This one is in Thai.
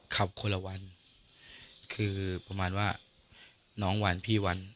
คนละวันคือประมาณว่าน้องวันพี่วัน